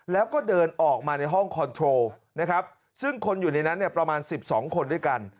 แล้วก็เดินออกมาในห้องคอนโทรนะครับซึ่งคนอยู่ในนั้นเนี่ยประมาณ๑๒คนด้วยกัน